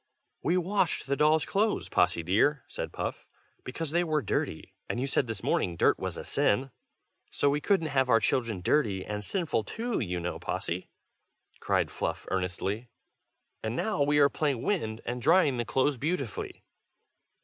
"We washed the dolls' clothes, Possy dear," said Puff, "because they were dirty, and you said this morning dirt was a sin." "So we couldn't have our children dirty and sinful too, you know, Possy!" cried Fluff, earnestly. "And now we are playing wind, and drying the clothes beautifully."